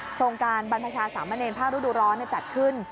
โครงการบรรพชาสามเณรภาคฤดูร้อนจัดขึ้น